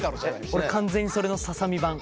俺完全にそれのささ身版。